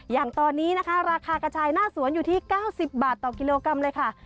อย่างตอนนี้นะคะราคากระชายหน้าสวนอยู่ที่๙๐บาทต่อกิโลกรัมเลยค่ะ